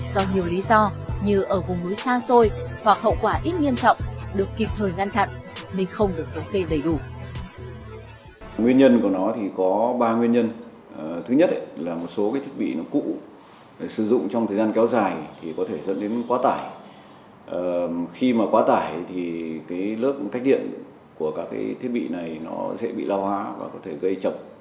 do nhiều lý do như ở vùng núi xa xôi hoặc hậu quả ít nghiêm trọng được kịp thời ngăn chặn nên không được thống kê đầy đủ